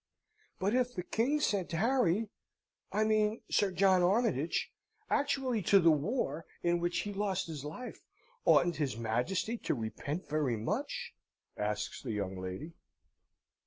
"But if the King sent Harry I mean Sir John Armytage actually to the war in which he lost his life, oughtn't his Majesty to repent very much?" asks the young lady.